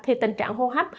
thì tình trạng hô hấp